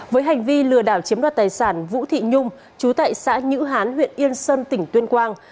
với hành vi lừa đảo chiếm đoạt tài sản vũ thị nhung chú tại xã nhữ hán huyện yên sơn tỉnh tuyên quang